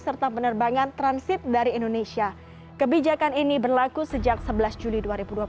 serta penerbangan transit dari indonesia kebijakan ini berlaku sejak sebelas juli dua ribu dua puluh